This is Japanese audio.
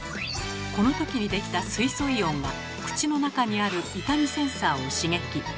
この時に出来た水素イオンが口の中にある痛みセンサーを刺激。